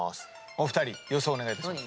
お二人予想お願いいたします。